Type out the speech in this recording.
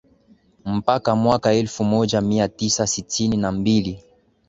mpaka Mwaka elfu moja mia tisa sitini na mbili